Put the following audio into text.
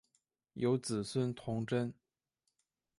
有子孙同珍。